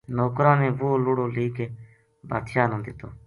نوکراں نے وہ لڑو لے کے بادشاہ نا دیتو